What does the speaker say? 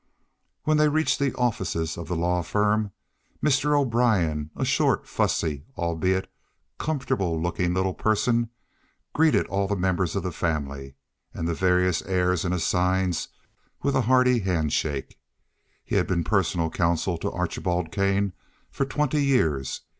When they reached the offices of the law firm, Mr. O'Brien, a short, fussy, albeit comfortable looking little person, greeted all the members of the family and the various heirs and assigns with a hearty handshake. He had been personal counsel to Archibald Kane for twenty years.